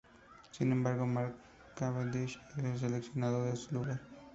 Sin embargo, Mark Cavendish es el seleccionado en su lugar.